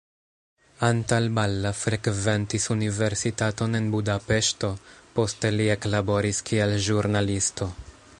Antal Balla frekventis universitaton en Budapeŝto, poste li eklaboris kiel ĵurnalisto.